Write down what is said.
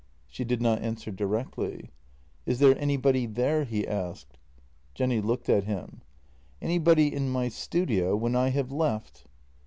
" She did not answer directly. " Is there anybody there? " he asked. Jenny looked at him: " Anybody in my studio when I have left?